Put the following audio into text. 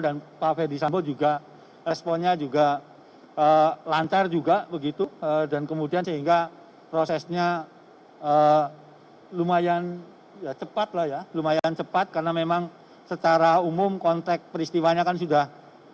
dan pak ferdis sambo juga responnya juga lancar juga begitu dan kemudian sehingga prosesnya lumayan cepat lah ya lumayan cepat karena memang secara umum konteks peristiwanya kan sudah